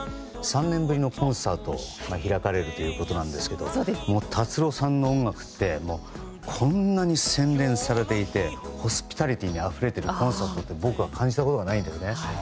３年ぶりのコンサートが開かれるということですが達郎さんの音楽ってこんなに洗練されていてホスピタリティーにあふれているコンサートって僕はほかに感じたことがないんですね。